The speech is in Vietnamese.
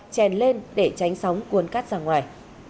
chèn lên để tránh sóng cuốn cát ra ngoài